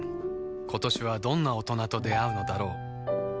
今年はどんな大人と出会うのだろう